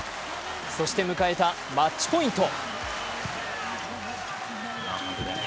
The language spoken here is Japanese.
そして迎えたマッチポイント。